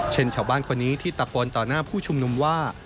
ชาวบ้านคนนี้ที่ตะโกนต่อหน้าผู้ชุมนุมว่า